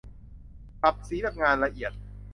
ปรับสีแบบงานละเอียด